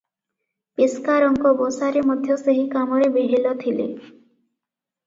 ପେସ୍କାରଙ୍କ ବସାରେ ମଧ୍ୟ ସେହି କାମରେ ବେହେଲ ଥିଲେ ।